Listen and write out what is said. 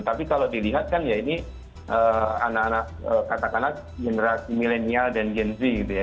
tapi kalau dilihat kan ya ini anak anak katakanlah generasi milenial dan gen z gitu ya